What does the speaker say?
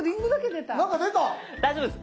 大丈夫です。